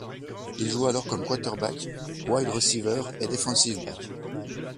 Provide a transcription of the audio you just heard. Il joue alors comme quarterback, wide receiver et defensive back.